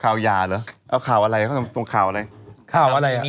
ก็คือข่าวอะไร